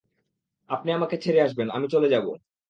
আপনি আমাকে ছেড়ে আসবেন, আমি চলে যাবো।